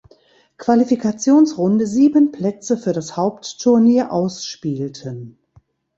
Qualifikationsrunde sieben Plätze für das Hauptturnier ausspielten.